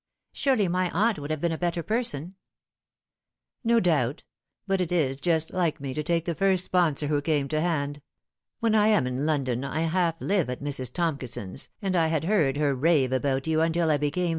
Surely my aunt would have been a better person "" No doubt ; but it is just like me to take the first sponsor who came to hand. When I am in London I half live at Mrs. Tomkison's and I had heard her rave about you until I became 174 The Fatal Three.